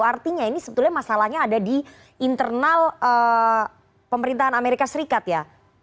artinya ini sebetulnya masalahnya ada di internal pemerintahan amerika serikat ya